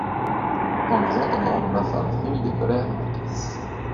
En les entendant, la femme frémit de colère dans la caisse.